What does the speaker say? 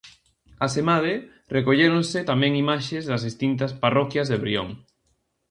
Asemade, recolléronse tamén imaxes das distintas parroquias de Brión.